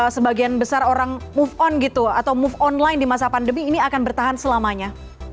sebagian besar orang move on gitu atau move online di masa pandemi ini akan bertahan selamanya